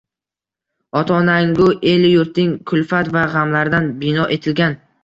Ota-onangu elu-yurting kulfat va g’amlaridan bino etilgan.